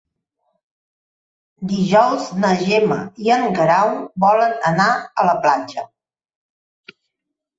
Dijous na Gemma i en Guerau volen anar a la platja.